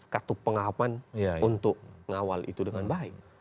kartu pengawasan untuk mengawal itu dengan baik